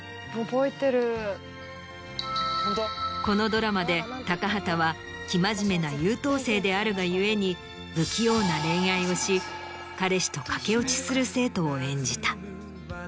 このドラマで高畑は生真面目な優等生であるが故に不器用な恋愛をし彼氏と駆け落ちする生徒を演じた。